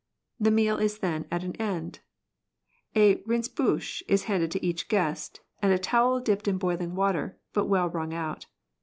The meal is then at an end. A mnce houche is handed to each guest and a towel dipped in boiling water but well ^vrung out.